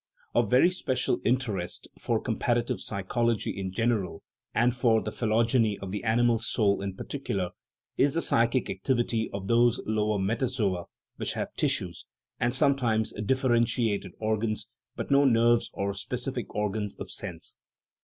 Of very special interest for comparative psychology in general, and for the phylogeny of the animal soul in particular, is the psychic activity of those lower metazoa which have tissues, and sometimes differentiated organs, but no nerves or specific organs of sense.